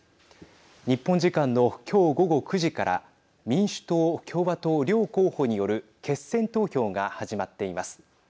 日本時間の今日午後９時から民衆党・共和党、両候補による決選投票が始まっています。